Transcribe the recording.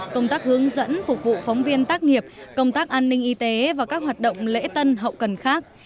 công tác hướng dẫn phục vụ phóng viên tác nghiệp công tác an ninh y tế và các hoạt động lễ tân hậu cần khác